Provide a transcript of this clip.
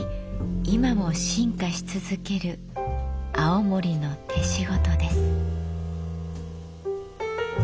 今も進化し続ける青森の手仕事です。